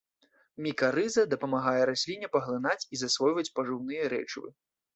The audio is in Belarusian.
Мікарыза дапамагае расліне паглынаць і засвойваць пажыўныя рэчывы.